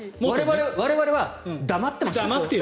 我々は黙ってよう。